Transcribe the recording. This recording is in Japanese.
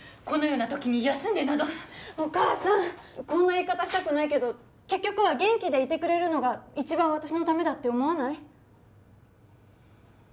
このようなときに休んでなどお母さんこんな言い方したくないけど結局は元気でいてくれるのが一番私のためだって思わない？